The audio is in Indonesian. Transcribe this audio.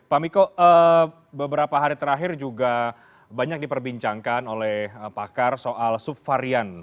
pak miko beberapa hari terakhir juga banyak diperbincangkan oleh pakar soal subvarian